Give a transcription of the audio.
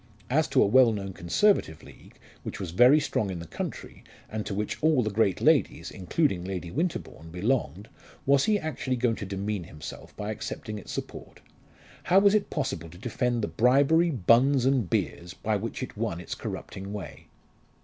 As to a well known Conservative League, which was very strong in the country, and to which all the great ladies, including Lady Winterbourne, belonged, was he actually going to demean himself by accepting its support? How was it possible to defend the bribery, buns, and beer by which it won its corrupting way?